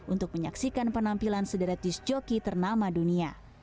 untuk menyaksikan penampilan sederetis joki ternama dunia